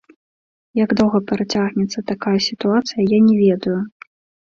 Як доўга працягнецца такая сітуацыя, я не ведаю.